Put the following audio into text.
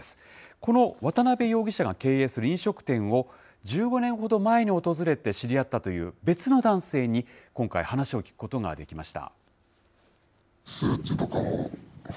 この渡邉容疑者が経営する飲食店を、１５年ほど前に訪れて知り合ったという別の男性に、今回話を聞くことができました。